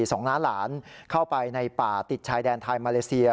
สองล้านหลานเข้าไปในป่าติดชายแดนไทยมาเลเซีย